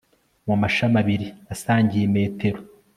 mu mashami abiri asangiye imetero